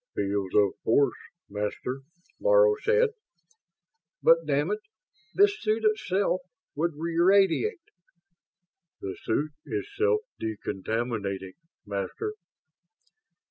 "Fields of force, Master," Laro said. "But, damn it, this suit itself would re radiate ..." "The suit is self decontaminating, Master."